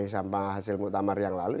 sampah hasil muktamar yang lalu